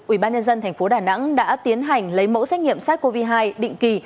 ubnd tp đà nẵng đã tiến hành lấy mẫu xét nghiệm sars cov hai định kỳ